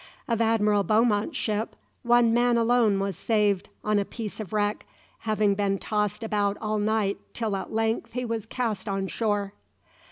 Of Admiral Beaumont's ship, one man alone was saved on a piece of wreck, having been tossed about all night till at length he was cast on shore.